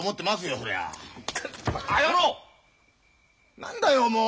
何だよもう！